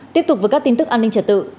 tiếp tục với các tin tức an ninh trật tự